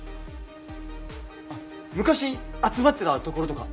あっ昔集まってたところとか。